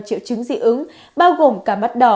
triệu chứng dị ứng bao gồm cả mắt đỏ